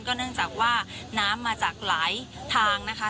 เนื่องจากว่าน้ำมาจากหลายทางนะคะ